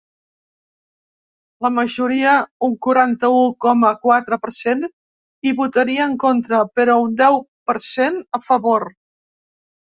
La majoria, un quaranta-u coma quatre per cent hi votaria en contra, però un deu per cent, a favor.